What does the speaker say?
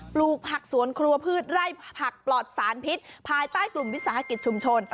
ปลูกผักสวนครัวพืชไร่ผักปลอดสารพิษภายใต้กลุ่มวิสาหกิจชุมชน